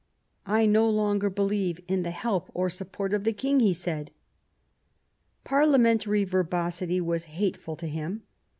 " I no longer believe in the help or the support of the King," he said. Parliamentary verbosity was hateful to him.